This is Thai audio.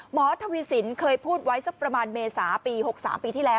ทวีสินเคยพูดไว้สักประมาณเมษาปี๖๓ปีที่แล้ว